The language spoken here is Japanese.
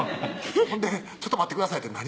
ほんで「ちょっと待ってください」って何？